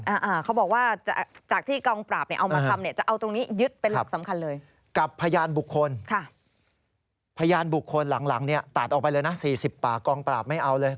พยานบุคคลหลังเนี่ยตัดออกไปเลยนะ๔๐ปากกองปราบไม่เอาเลย